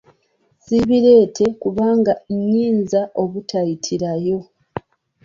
Siibireete kubanga nnyinza obutayitirayo.